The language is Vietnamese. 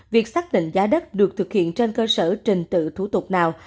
việc xác định giá đất được thực hiện trên cơ sở trình tự thủ tục nào